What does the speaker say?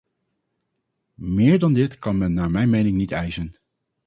Meer dan dit kan men naar mijn mening niet eisen.